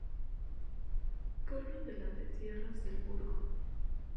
Pueblo de la de Tierras del Burgo.